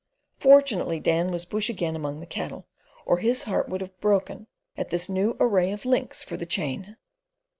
Fortunately Dan was "bush" again among the cattle, or his heart would have broken at this new array of links for the chain.